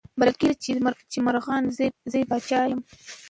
بلل کیږي چي مرغان زه یې پاچا یم